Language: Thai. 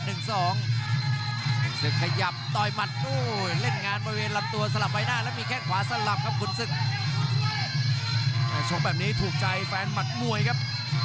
ขุนศึกขยับโดยหมัดฝู้เหล่านี้ถูกใจแฟนหมัดมวยครับ